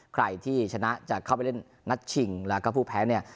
ใครที่ชนะจะเข้าไปเล่นนัดชิงแล้วก็ผู้แพ้เนี่ย